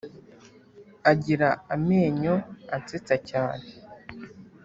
Agira amenyo ansetsa cyane